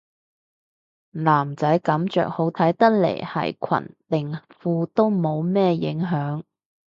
男仔噉着好睇得嚟係裙定褲都冇乜影響